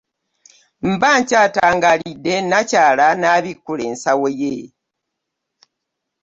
Mba nkyatangaaliridde, nakyala n'abikkula ensawo ye.